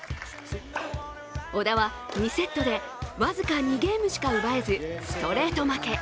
小田は２セットで僅か２ゲームしか奪えずストレート負け。